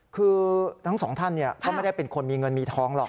คือทั้งสองท่านก็ไม่ได้เป็นคนมีเงินมีทองหรอก